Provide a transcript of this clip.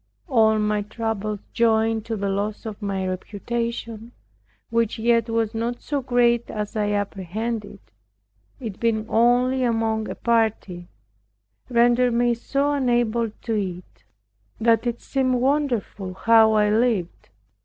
All my troubles, joined to the loss of my reputation, which yet was not so great as I apprehended, (it being only among a party) rendered me so unable to eat, that it seemed wonderful how I lived.